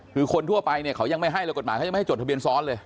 คือคนทั่วไปเนี่ยเขายังไม่ให้เลยกฎหมายเขายังไม่ให้จดทะเบียนซ้อนเลย